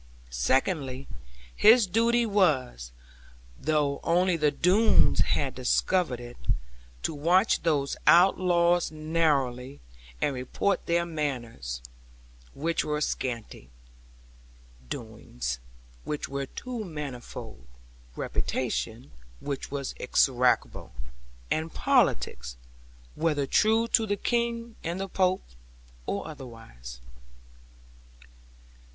Second, his duty was (though only the Doones had discovered it) to watch those outlaws narrowly, and report of their manners (which were scanty), doings (which were too manifold), reputation (which was execrable), and politics, whether true to the King and the Pope, or otherwise.